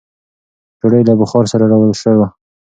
ډوډۍ له بخاره سره راوړل شوه.